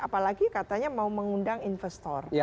apalagi katanya mau mengundang investor